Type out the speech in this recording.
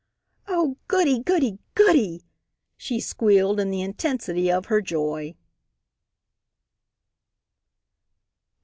"Oh, goody! goody! goody!" she squealed in the intensity of her joy.